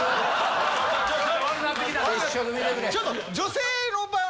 ちょっと女性の場合。